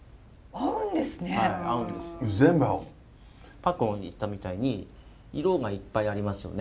パックンが言ったみたいに色がいっぱいありますよね。